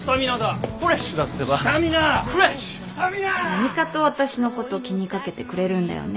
何かと私のこと気に掛けてくれるんだよね。